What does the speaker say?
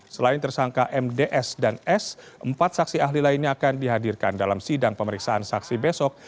selain tersangka mds dan s empat saksi ahli lainnya akan dihadirkan dalam sidang pemeriksaan saksi besok